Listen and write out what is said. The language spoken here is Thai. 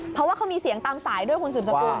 เพราะว่าเขามีเสียงตามสายด้วยคุณสืบสกุล